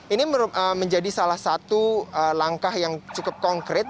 ini menjadi salah satu langkah yang cukup konkret